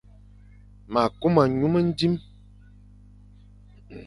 Ma a kuma nyu mendi,